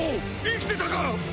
生きてたか！